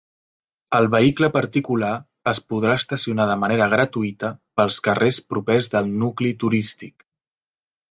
El vehicle particular es podrà estacionar de manera gratuïta pels carrers propers del nucli turístic.